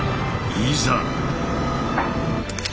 いざ！